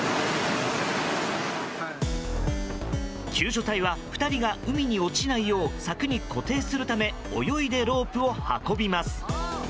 救助隊は２人が海に落ちないよう柵に固定するため泳いでロープを運びます。